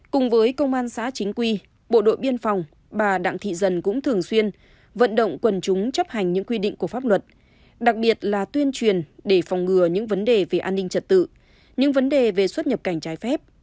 cùng với công an xã chính quy bộ đội biên phòng bà đặng thị dần cũng thường xuyên vận động quần chúng chấp hành những quy định của pháp luật đặc biệt là tuyên truyền để phòng ngừa những vấn đề về an ninh trật tự những vấn đề về xuất nhập cảnh trái phép